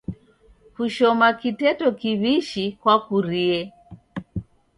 Kushoma kiteto kiwishi kwakurie.